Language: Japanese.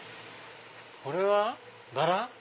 これはバラ？